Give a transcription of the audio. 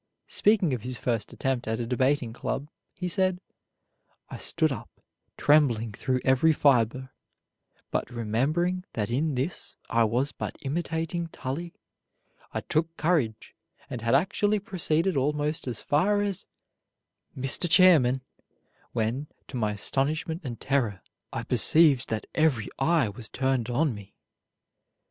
Speaking of his first attempt at a debating club, he said: "I stood up, trembling through every fiber; but remembering that in this I was but imitating Tully, I took courage and had actually proceeded almost as far as 'Mr. Chairman,' when, to my astonishment and terror, I perceived that every eye was turned on me.